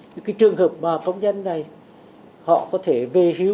cái trường hợp mà công nhân này họ có thể về hữu